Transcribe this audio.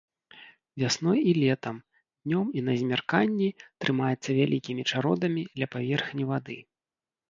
Вясной і летам, днём і на змярканні трымаецца вялікімі чародамі ля паверхні вады.